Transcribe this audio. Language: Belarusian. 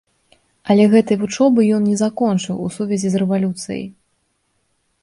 Але гэтай вучобы ён не закончыў у сувязі з рэвалюцыяй.